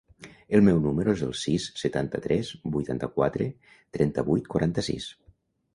El meu número es el sis, setanta-tres, vuitanta-quatre, trenta-vuit, quaranta-sis.